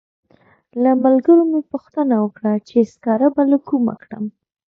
له ملګرو مې پوښتنه وکړه چې سکاره به له کومه کړم.